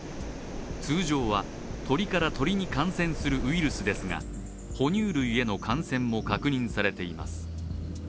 通常は鳥から鳥に感染するウイルスですが哺乳類への感染も確認されています。